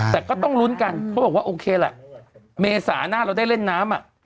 แต่ก็ต้องลุ้นกันเขาบอกว่าโอเคแหละเมษาหน้าเราได้เล่นน้ำ